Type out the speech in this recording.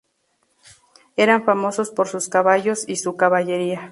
Eran famosos por sus caballos y su caballería.